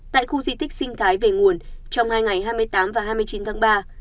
tại khu di tích sinh thái về nguồn trong hai ngày hai mươi tám và hai mươi chín tháng ba